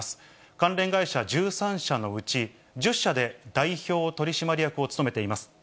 関連会社１３社のうち、１０社で代表取締役を務めています。